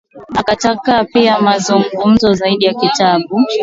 Akakataa pia mazungumzo zaidi ya kikatiba